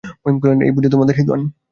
মহিম কহিলেন, এই বুঝি তোমাদের হিঁদুয়ানি!